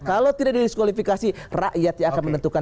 kalau tidak di diskualifikasi rakyat yang akan menentukan